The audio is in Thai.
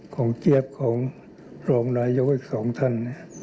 ของเจี๊ยบของรองนายกอีก๒ท่าน